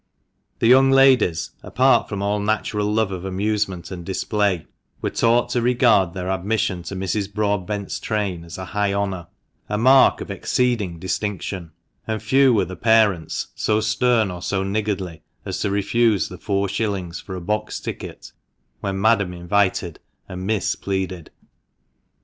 The young ladies — apart from all natural love of amusement and display — were taught to regard their admission to Mrs. Broadbent's train as a high honour — a mark of exceeding distinction ; and few were the parents so stern or so niggardly as to refuse the four shillings for a box ticket when Madame invited and Miss pleaded.